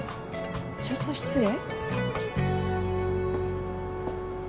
ちょっと失礼。